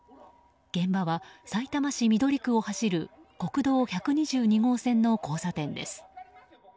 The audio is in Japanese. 現場はさいたま市緑区を走る国道１２２号線の交差点です。